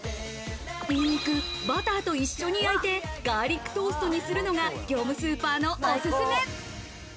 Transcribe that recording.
ニンニク、バターと一緒に焼いてガーリックトーストにするのが業務スーパーのおすすめ。